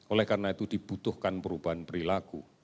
oleh karena itu dibutuhkan perubahan perilaku